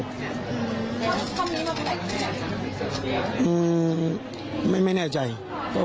คร่ำนี้มาไปไหน